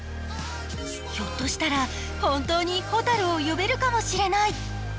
ひょっとしたら本当にほたるを呼べるかもしれない。